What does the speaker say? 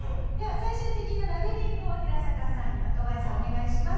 最終的なラベリングをヒラサカさんに若林さんお願いします。